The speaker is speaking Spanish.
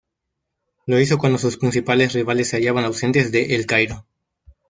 Lo hizo cuando sus principales rivales se hallaban ausentes de El Cairo.